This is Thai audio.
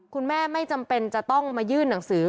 คุณแม่ไม่จำเป็นจะต้องมายื่นหนังสือ